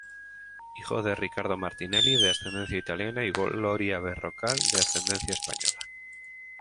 Hijo de Ricardo Martinelli, de ascendencia italiana y Gloria Berrocal de ascendencia española.